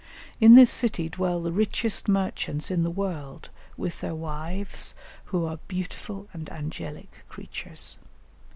In this city dwell the richest merchants in the world with their wives, who are "beautiful and angelic creatures."